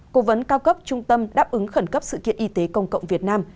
cố vấn cao cấp trung tâm đáp ứng khẩn cấp sự kiện y tế công cộng việt nam